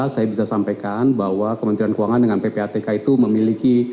saya bisa sampaikan bahwa kementerian keuangan dengan ppatk itu memiliki